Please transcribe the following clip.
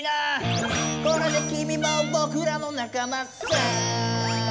「これで君もぼくらの仲間さ」